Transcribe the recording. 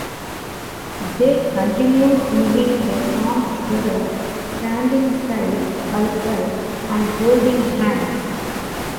They continue singing the song together, standing side by side and holding hands.